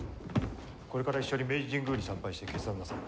これから一緒に明治神宮に参拝して決断なさる。